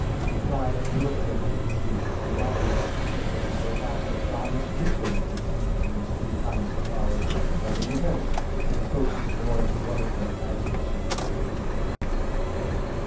Reply Obj. 3: The knowledge which an angel has of God is midway between these two kinds of knowledge; nevertheless it approaches more to one of them, as was said above.